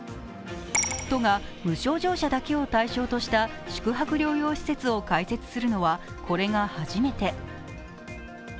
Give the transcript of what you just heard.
都が無症状者だけを対象とした宿泊療養施設を開設するのはこれが初めて。